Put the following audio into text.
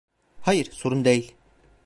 Hayır, sorun değil.